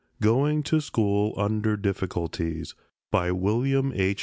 GOING TO SCHOOL UNDER DIFFICULTIES WILLIAM H.